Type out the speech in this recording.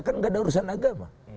kan gak ada urusan agama